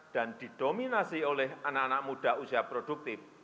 dan didominasi oleh anak anak muda usia produktif